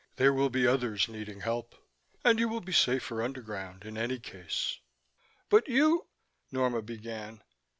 "There will be others needing help and you will be safer underground, in any case." "But you " Norma began.